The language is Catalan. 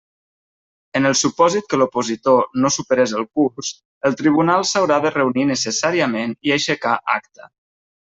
En el supòsit que l'opositor no superés el Curs, el Tribunal s'haurà de reunir necessàriament i aixecà acta.